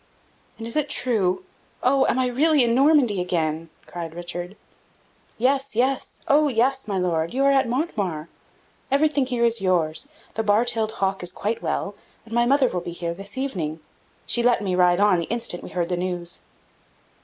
"And is it true? Oh, am I really in Normandy again?" cried Richard. "Yes, yes! oh, yes, my Lord! You are at Montemar. Everything here is yours. The bar tailed hawk is quite well, and my mother will be here this evening; she let me ride on the instant we heard the news."